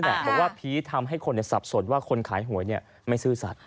บอกว่าผีทำให้คนสับสนว่าคนขายหวยไม่ซื่อสัตว